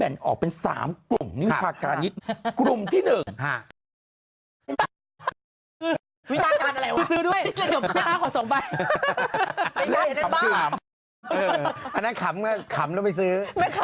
อันนั้นขำก็ขำแล้วไปซื้อ